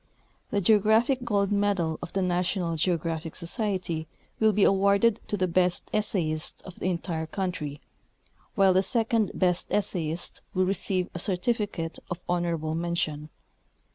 The Geographic Gold Medal of the National Geographic Society will be awarded to the best essayist of the entire country, while the second essayist will receive a certifi cate of honorable mention.